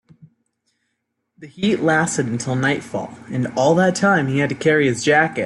The heat lasted until nightfall, and all that time he had to carry his jacket.